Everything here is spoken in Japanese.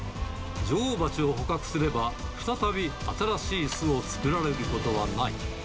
女王バチを捕獲すれば、再び新しい巣を作られることはない。